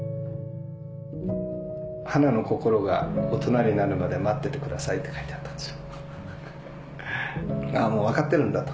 「はなの心が大人になるまで待っててください」って書いてあったんですよ。